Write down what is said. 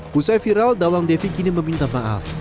pusai viral dawang devi kini meminta maaf